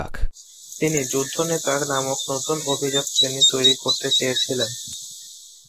তিনি যুদ্ধ নেতা নামক নতুন অভিজাত শ্রেণী তৈরি করতে চেয়েছিলেন।